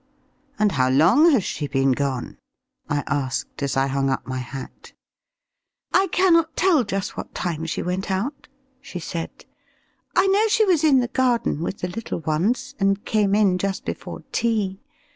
"And how long has she been gone?" I asked, as I hung up my hat. "I cannot tell just what time she went out," she said; "I know she was in the garden with the little ones, and came in just before tea.